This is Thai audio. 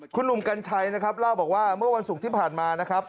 คุณหนุ่มกัญชัยเล่าบอกว่าเมื่อวันศุกร์ที่ผ่านมา